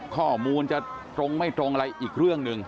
ข้อมูลจะตรงไม่ตรงอะไรอีกเรื่องหนึ่ง